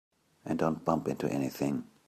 And don't bump into anything.